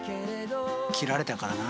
切られたからな。